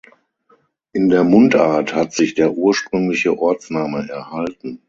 In der Mundart hat sich der ursprüngliche Ortsname erhalten.